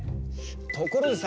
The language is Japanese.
ところでさ